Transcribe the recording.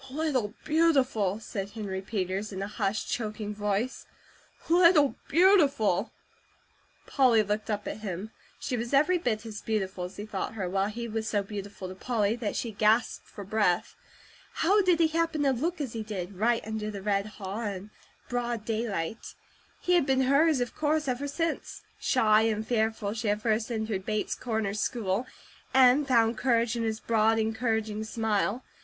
"Little Beautiful!" said Henry Peters in a hushed, choking voice, "Little Beautiful!" Polly looked up at him. She was every bit as beautiful as he thought her, while he was so beautiful to Polly that she gasped for breath. How did he happen to look as he did, right under the red haw, in broad daylight? He had been hers, of course, ever since, shy and fearful, she had first entered Bates Corners school, and found courage in his broad, encouraging smile.